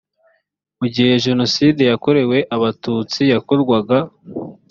mu gihe jenoside yakorewe abatutsi yakorwaga